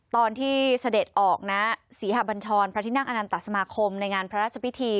เสด็จออกนะศรีหบัญชรพระทินั่งอนันตสมาคมในงานพระราชพิธี